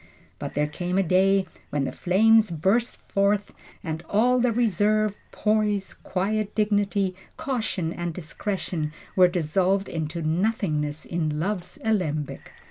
But there came a day when the flames burst forth, and all the reserve, poise, quiet dignity, caution and discretion were dissolved into nothingness in love's alembic.